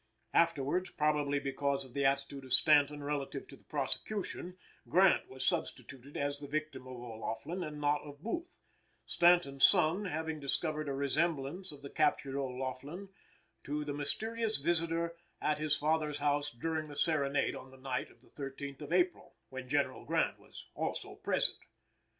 Afterwards, probably because of the attitude of Stanton relative to the prosecution, Grant was substituted as the victim of O'Laughlin and not of Booth; Stanton's son having discovered a resemblance of the captured O'Laughlin to the mysterious visitor at his father's house during the serenade on the night of the 13th of April, when General Grant was also present.